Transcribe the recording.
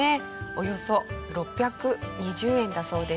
およそ６２０円だそうです。